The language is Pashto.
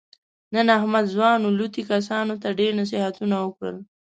نن احمد ځوانو لوطي کسانو ته ډېر نصیحتونه وکړل.